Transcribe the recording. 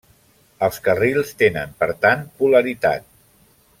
Els carrils tenen, per tant, polaritat.